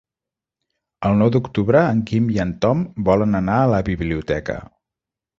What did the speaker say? El nou d'octubre en Guim i en Tom volen anar a la biblioteca.